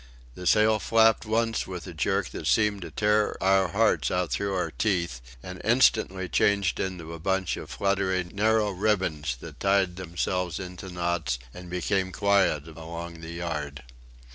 The sail flapped once with a jerk that seemed to tear our hearts out through our teeth, and instantly changed into a bunch of fluttering narrow ribbons that tied themselves into knots and became quiet along the yard.